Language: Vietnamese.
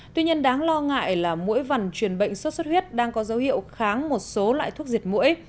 tuy nhiên đáng lo ngại là mỗi vần truyền bệnh sốt xuất huyết đang có dấu hiệu kháng một số loại thuốc diệt mũi